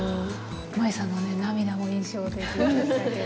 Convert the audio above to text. ＭＡＹＵさんの涙も印象的でしたけど。